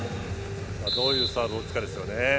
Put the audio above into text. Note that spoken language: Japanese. どういうサーブを打つかですよね。